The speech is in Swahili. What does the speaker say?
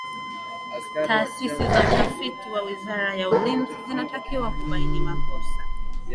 taasisi za utafiti wa wizara ya ulinzi zinatakiwa kubaini makosa